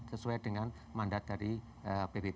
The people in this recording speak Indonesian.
sesuai dengan mandat dari pbb